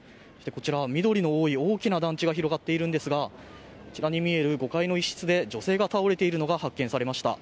こちら、緑の多い大きな団地が広がっているんですがこちらに見える５階の一室で女性が倒れているのが発見されました。